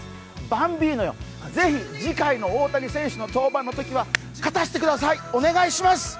バンビーノよ、ぜひ大谷選手の次回の登板のときには勝たせてください、お願いします！